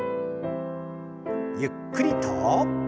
ゆっくりと。